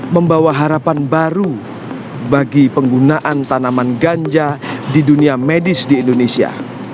membawa harapan baru bagi penggunaan tanaman ganja di dunia medis di indonesia